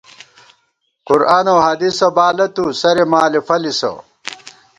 قرآن اؤ حدیثہ بالہ تُو ، سرے مالے فلِسہ